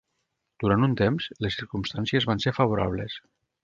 Durant un temps, les circumstàncies van ser favorables.